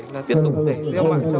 là tiếp tục để gieo mạng cho